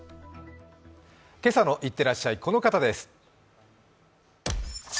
「今朝のいってらっしゃい」、この方です。